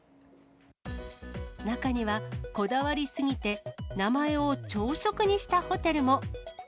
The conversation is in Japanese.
中には、こだわりすぎて、名前を朝食にしたホテルも。